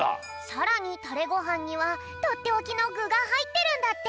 さらにタレごはんにはとっておきのぐがはいってるんだって！